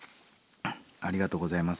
ありがとうございます。